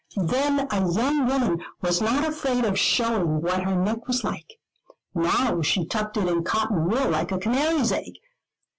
Then a young woman was not afraid of showing what her neck was like; now she tucked it in cotton wool like a canary's egg.